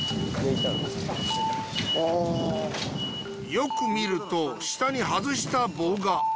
よく見ると下に外した棒が。